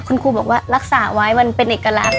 คุณครูบอกว่ารักษาไว้มันเป็นเอกลักษณ